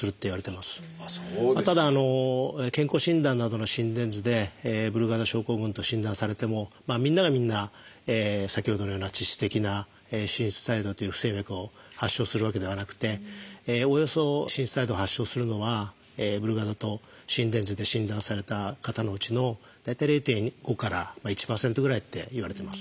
ただ健康診断などの心電図でブルガダ症候群と診断されてもみんながみんな先ほどのような致死的な心室細動という不整脈を発症するわけではなくておおよそ心室細動を発症するのはブルガダと心電図で診断された方のうちの大体０．５から１％ぐらいっていわれてます。